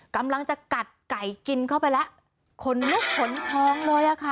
กำลังจะกัดไก่กินเข้าไปแล้วขนลุกขนพองเลยอ่ะค่ะ